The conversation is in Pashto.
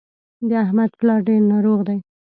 د احمد پلار ډېر ناروغ دی.